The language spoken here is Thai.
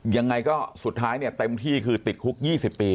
ยังไงก็สุดท้ายเนี่ยเต็มที่คือติดคุก๒๐ปี